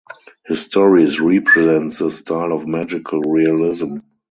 His stories represents the style of magical realism.